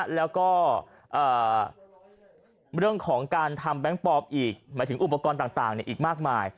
แล้วก็เรื่องของการทำแบงค์ปลอมอีกหมายถึงอุปกรณ์ต่างอีกมากมาย